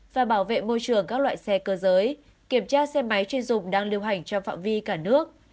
và bảo vệ môi trường các loại xe cơ giới kiểm tra xe máy chuyên dụng đang lưu hành trong phạm vi cả nước